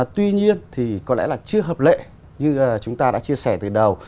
tuy nhiên thì có lẽ là chưa hợp lệ như chúng ta đã chia sẻ từ đầu